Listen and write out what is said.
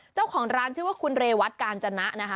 เจ้าของร้านชื่อว่าคุณเรวัตกาญจนะนะคะ